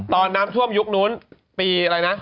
ตอนน้ำท่วมยุคนู้นปี๔๕